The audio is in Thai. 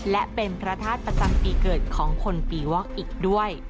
และเป็นพระธาตุประจำปีเกิดของคนปีวอกอีกด้วย